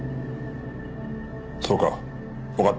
そうか。